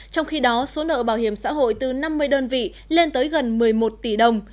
trong khi đó số nợ bảo hiểm xã hội từ năm mươi đơn vị lên tới gần một mươi một tỷ đồng